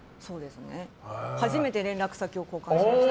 初めて連絡先を交換しました。